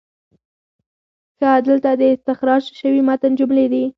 ښه، دلته د استخراج شوي متن جملې دي: